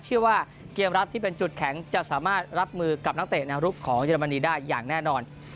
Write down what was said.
เชื่อว่าเกมรับที่เป็นจุดแข็งจะสามารถรับมือกับนักเตะแนวรุกของเยอรมนีได้อย่างแน่นอน